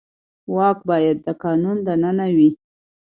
واک باید د قانون دننه وي